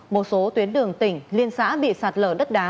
một số tuyến đường tỉnh liên xã bị sạt lở đất đá